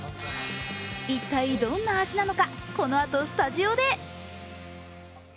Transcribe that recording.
一体、どんな味なのか、このあとスタジオで。